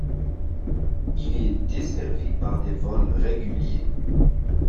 Il est desservi par des vols réguliers.